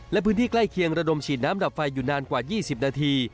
และพื้นที่ใกล้เคียงระดมฉีดน้ำดับไฟอยู่นานกว่า๒๐นาที